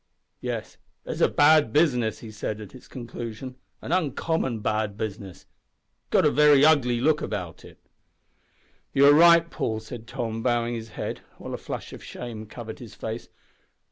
"Yes, it's a bad business," he said, at its conclusion, "an uncommon bad business. Got a very ugly look about it." "You are right, Paul," said Tom, bowing his head, while a flush of shame covered his face.